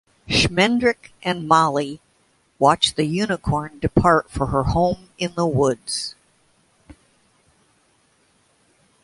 Schmendrick and Molly watch the Unicorn depart for her home in the woods.